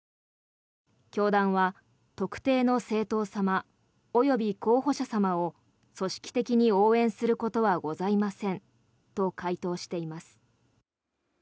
教団は特定の政党様及び候補者様を組織的に応援することはございませんと回答しています。